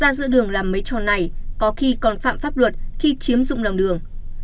ra giữa đường làm mấy trò này có khi còn phạm pháp luật khi chiếm dụng lòng đường